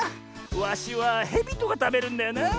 ワシはヘビとかたべるんだよなあ。